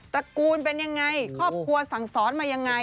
ระกูลเป็นยังไงครอบครัวสั่งสอนมายังไง